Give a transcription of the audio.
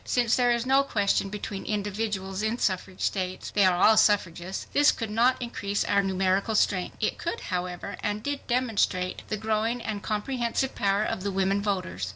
Since there is no question between individuals in suffrage states—they are all suffragists—this could not increase our numerical strength. It could, however, and did demonstrate the growing and comprehensive power of the women voters.